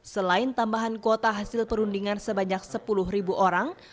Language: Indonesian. selain tambahan kuota hasil perundingan sebanyak sepuluh orang